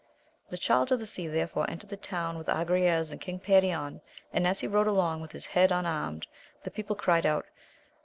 The Child of the Sea therefore entered the town with Agrayes and King Perion, and as he rode along with his head un armed, the people cried out.